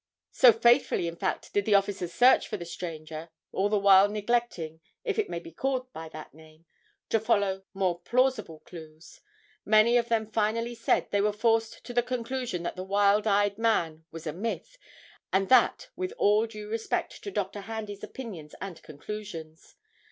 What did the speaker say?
So faithfully in fact did the officers search for the stranger, all the while neglecting, if it may be called by that name, to follow more plausible clues; many of them finally said they were forced to the conclusion that the wild eyed man was a myth, and that with all due respect to Dr. Handy's opinions and conclusions.